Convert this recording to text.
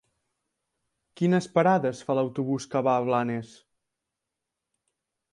Quines parades fa l'autobús que va a Blanes?